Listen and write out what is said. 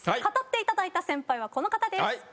語っていただいた先輩はこの方です。